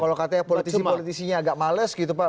kalau katanya politisi politisinya agak males gitu pak